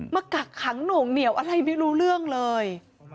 กักขังหน่วงเหนียวอะไรไม่รู้เรื่องเลย